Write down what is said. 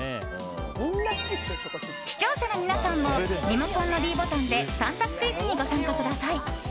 視聴者の皆さんもリモコンのｄボタンで３択クイズにご参加ください。